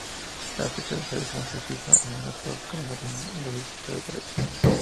La fecha de celebración se fija de acuerdo al calendario hinduista tradicional.